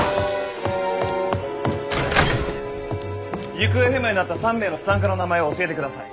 行方不明になった３名の資産家の名前を教えてください。